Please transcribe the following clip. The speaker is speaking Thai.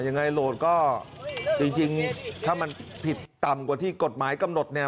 โหลดก็จริงถ้ามันผิดต่ำกว่าที่กฎหมายกำหนดเนี่ย